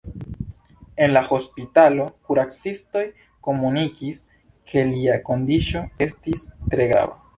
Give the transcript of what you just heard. En la hospitalo, kuracistoj komunikis, ke lia kondiĉo estis tre grava.